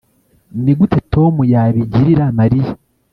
Nigute Tom yabigirira Mariya